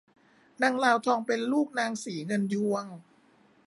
นางลาวทองเป็นลูกนางศรีเงินยวง